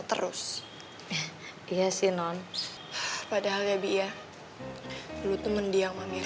tunggu aku ngawur